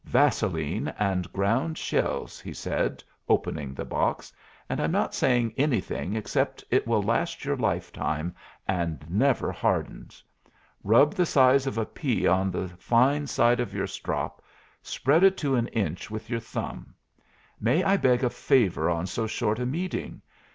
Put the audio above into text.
Vaseline and ground shells," he said, opening the box, "and I'm not saying anything except it will last your lifetime and never hardens. Rub the size of a pea on the fine side of your strop, spread it to an inch with your thumb. May I beg a favor on so short a meeting?